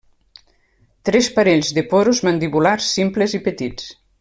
Tres parells de porus mandibulars, simples i petits.